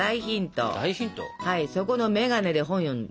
はいそこの眼鏡で本読んで下さい。